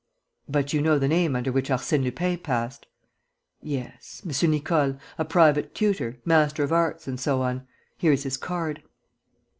"But you know the name under which Arsène Lupin passed?" "Yes. M. Nicole, a private tutor, master of arts and so on. Here is his card."